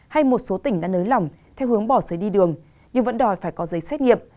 hay một số tỉnh đã nới lỏng theo hướng bỏ xế đi đường nhưng vẫn đòi phải có giấy xét nghiệm